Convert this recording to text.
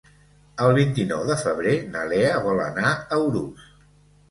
El vint-i-nou de febrer na Lea vol anar a Urús.